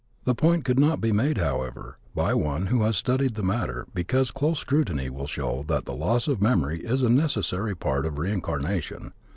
The point could not be made, however, by one who has studied the matter because close scrutiny will show that the loss of memory is a necessary part of reincarnation.